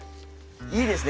いいですね